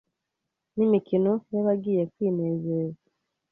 N’imikino y’abagiye kwinezeza”